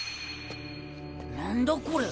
何だこれ？